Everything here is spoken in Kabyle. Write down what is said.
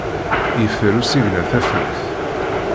Yeffer usigna tafukt.